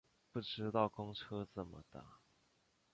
不知道公车怎么搭